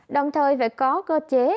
đồng thời phải có cơ chế